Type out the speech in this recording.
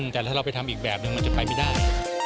แต่ถ้าเราไปทำอีกแบบนึงมันจะไปไม่ได้